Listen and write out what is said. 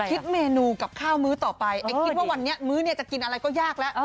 คิดเมนูกับข้าวมื้อต่อไปไอ้คิดว่าวันนี้มื้อเนี่ยจะกินอะไรก็ยากแล้ว